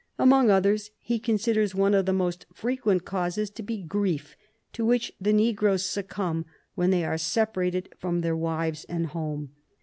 Among others, he considers one of the most frequent causes to be grief, to which the negroes succumb when they are separated from their wives and home.